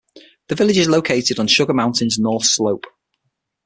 The village is located on Sugar Mountain's north slope.